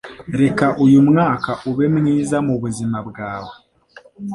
Reka uyu mwaka ube mwiza mubuzima bwawe